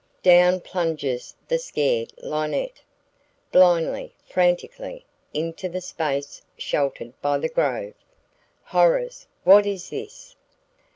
Down plunges the scared linnet, blindly, frantically, into the space sheltered by the grove! [Page 97] Horrors! What is this?